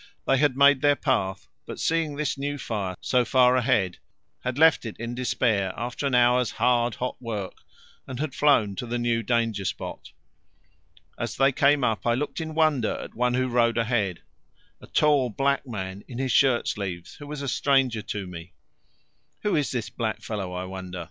They had made their path, but seeing this new fire so far ahead, had left it in despair after an hour's hard hot work, and had flown to the new danger spot. As they came up I looked in wonder at one who rode ahead, a tall black man in his shirt sleeves who was a stranger to me. "Who is this black fellow, I wonder?"